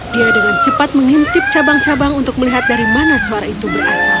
dia dengan cepat mengintip cabang cabang untuk melihat dari mana suara itu berasal